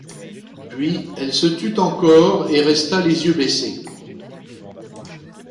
Puis elle se tut encore et resta les yeux baissés.